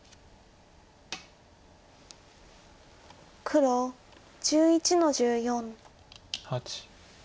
黒１１の十四。